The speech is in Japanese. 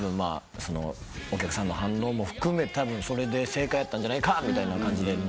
お客さんの反応も含めたぶんそれで正解やったんじゃないかみたいな感じで。